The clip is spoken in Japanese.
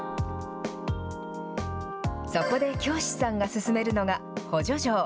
そこで京師さんが勧めるのが補助錠。